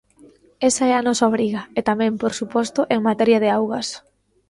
Esa é a nosa obriga, e tamén, por suposto, en materia de augas.